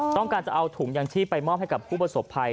ต้องการจะเอาถุงยางชีพไปมอบให้กับผู้ประสบภัย